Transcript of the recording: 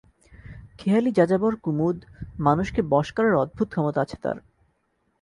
খেয়ালি যাযাবর কুমুদ, মানুষকে বশ করার অদ্ভুত ক্ষমতা আছে তার।